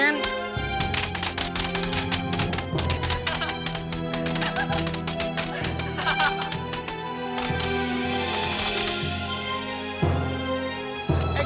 ken ken tapi aku bisa jelasin semuanya ken